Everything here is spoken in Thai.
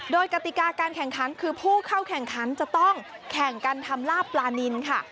โดยกติกาการแข่งขันคือผู้เข้าแข่งขันจะต้องแข่งกันทำลาบปลานินค่ะ